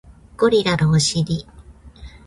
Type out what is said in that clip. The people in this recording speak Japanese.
ゴリラのお尻